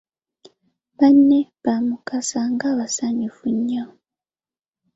Banne ba Mukasa nga basanyufu nnyo